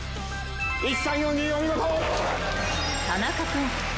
１３４２お見事。